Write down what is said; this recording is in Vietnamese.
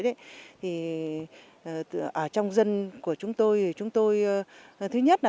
thì ở trong dân của chúng tôi chúng tôi thứ nhất là tuyên truyền